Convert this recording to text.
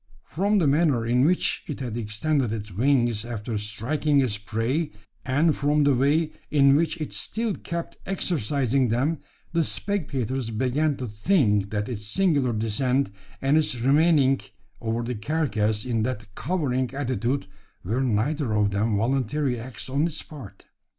From the manner in which it had extended its wings after striking its prey, and from the way in which it still kept exercising them, the spectators began to think that its singular descent, and its remaining over the carcass in that cowering attitude, were neither of them voluntary acts on its part.